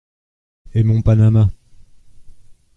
Et mon panama ?…